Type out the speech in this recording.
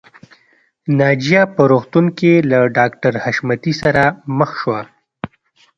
ناجیه په روغتون کې له ډاکټر حشمتي سره مخ شوه